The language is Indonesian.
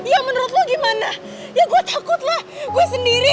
ya menurut lo gimana ya gue takutlah gue sendiri